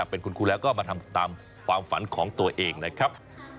เป็นคุณครูแล้วก็มาทำตามความฝันของตัวเองนะครับ